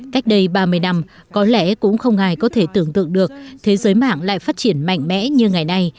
cách đây ba mươi năm có lẽ cũng không ai có thể tưởng tượng được thế giới mạng lại phát triển mạnh mẽ như ngày nay